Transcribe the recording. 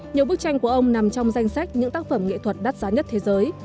nhiều bức tranh của ông nằm trong danh sách những tác phẩm nghệ thuật đắt giá nhất thế giới